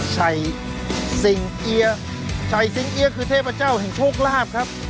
ชัยสิ่งเอี๊ยชัยสิงเอี๊ยคือเทพเจ้าแห่งโชคลาภครับ